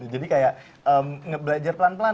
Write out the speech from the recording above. jadi kayak belajar pelan pelan